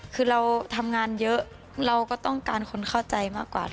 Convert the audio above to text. คือเราทำงานเยอะเราก็ต้องการคนเข้าใจมากกว่า